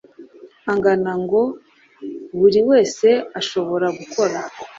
angana, ngo buri wese ashobore gukora